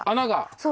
そう。